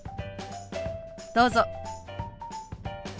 どうぞ。